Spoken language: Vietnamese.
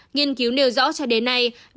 nghiên cứu nêu rõ cho đến nay